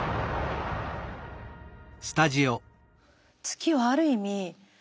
月はある意味